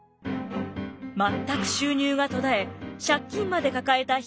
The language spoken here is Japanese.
全く収入が途絶え借金まで抱えた口家。